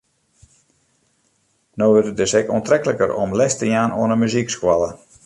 No wurdt it dus ek oantrekliker om les te jaan oan in muzykskoalle.